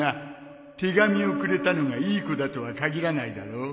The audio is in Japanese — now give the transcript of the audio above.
手紙をくれたのがいい子だとは限らないだろう